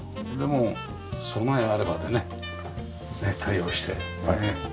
もう備えあればでね対応して。